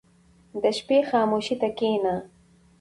• د شپې خاموشي ته کښېنه.